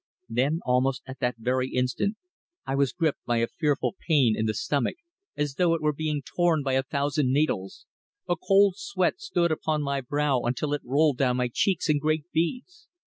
Then almost at that very instant I was gripped by a fearful pain in the stomach, as though it were being torn by a thousand needles. A cold sweat stood upon my brow until it rolled down my cheeks in great beads.